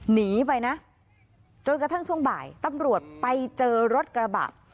หนีไปนะจนกระทั่งช่วงบ่ายตำรวจไปเจอรถกระบะ